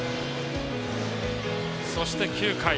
そして、９回。